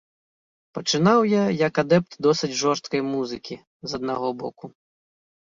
Пачынаў я як адэпт досыць жорсткай музыкі, з аднаго боку.